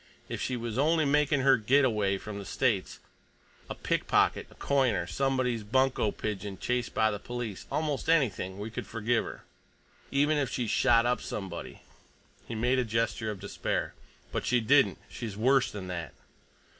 If she was only making her get away from the States, a pickpocket, a coiner, somebody's bunco pigeon chased by the police—almost anything—we could forgive her. Even if she'd shot up somebody—" He made a gesture of despair. "But she didn't. She's worse than that!"